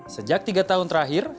sejak tiga tahun terakhir